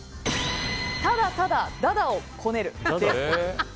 ただただ、駄々をこねるです。